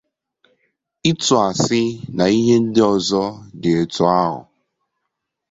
ịtụ asị na ihe ndị ọzọ dị etu ahụ